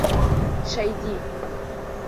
Шайди.